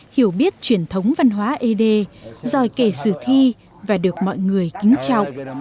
hiểu biết truyền thống văn hóa ede giỏi kể sử thi và được mọi người kính trọng